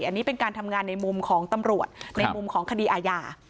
อันนี้เป็นการทำงานในมุมของตำรวจในมุมของคดีอาญา